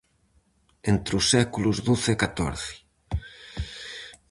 Entre os séculos doce e catorce.